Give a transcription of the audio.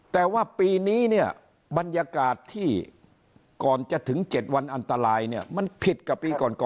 แต่ว่าปีนี้เนี่ยบรรยากาศที่ก่อนจะถึง๗วันอันตรายเนี่ยมันผิดกับปีก่อน